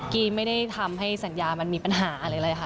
กี้ไม่ได้ทำให้สัญญามันมีปัญหาอะไรเลยค่ะ